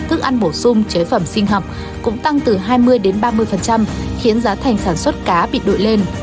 thức ăn bổ sung chế phẩm sinh hập cũng tăng từ hai mươi ba mươi khiến giá thành sản xuất cá bị đổi lên